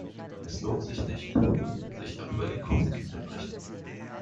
Es lohnt sich nicht, sich darüber den Kopf zu zerbrechen.